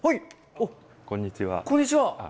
こんにちは。